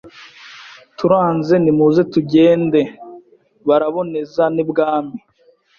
turanze nimuze tugende Baraboneza n' ibwami.